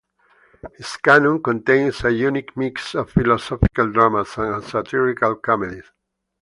His canon contains a unique mix of philosophical dramas and satirical comedies.